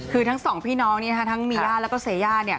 คือทั้งสองพี่น้องเนี่ยค่ะทั้งมีย่าแล้วก็เสย่าเนี่ย